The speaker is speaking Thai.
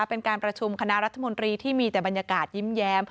เป็นการประชุมคณะรัฐมนตรีที่มีแต่บรรยากาศยิ้มแย้ม